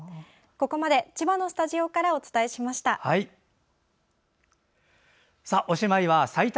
ここまで千葉のスタジオからお伝えしました。